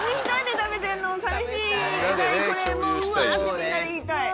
みんなで言いたい。